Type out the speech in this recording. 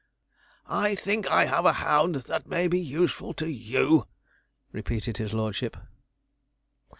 "I think I have a hound that may be useful to you "' repeated his lordship.